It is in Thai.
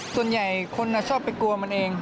ส่วนใหญ่คนชอบไปกลัวมันเอง